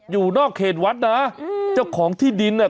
อยู่นอกเขตวัดนะอืมเจ้าของที่ดินอ่ะ